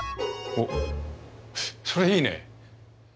おっそれいいね！